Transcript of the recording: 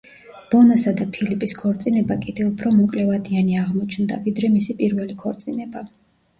ბონასა და ფილიპის ქორწინება კიდევ უფრო მოკლე ვადიანი აღმოჩნდა, ვიდრე მისი პირველი ქორწინება.